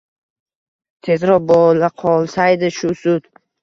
Tezroq bo`laqolsaydi shu sud